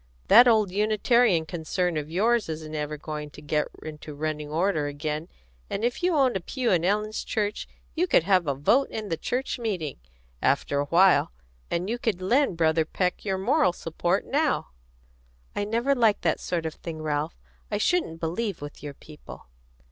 That old Unitarian concern of yours isn't ever going to get into running order again, and if you owned a pew in Ellen's church you could have a vote in church meeting, after a while, and you could lend Brother Peck your moral support now." "I never liked that sort of thing, Ralph. I shouldn't believe with your people."